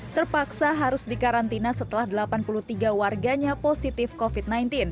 terpaksa harus dikarantina setelah delapan puluh tiga warganya positif covid sembilan belas